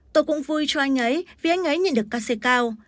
tôi cũng vui cho anh ấy vì anh ấy nhìn được cắt xe cao